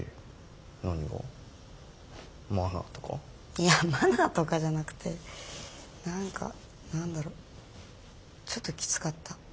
いやマナーとかじゃなくて何か何だろちょっときつかった。